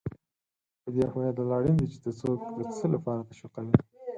په دې پوهېدل اړین دي چې ته څوک د څه لپاره تشویقوې.